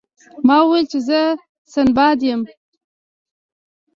ما وویل چې زه سنباد یم.